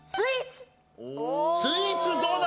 スイーツどうだ？